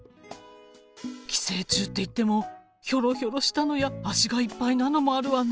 寄生虫っていってもヒョロヒョロしたのや足がいっぱいなのもあるわね。